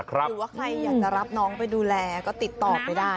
หรือว่าใครอยากจะรับน้องไปดูแลก็ติดต่อไปได้